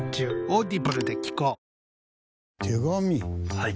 はい。